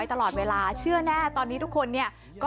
โดนโรงคนไทยใส่หน้ากากอนามัยป้องกันโควิด๑๙กันอีกแล้วค่ะ